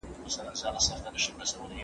زه پرون نان خورم؟